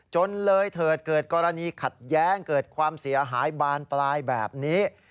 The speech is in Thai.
จนเลยเถิดเกิดกรณีขัดแย้งเกิดความเสียหายบานปลายแบบนี้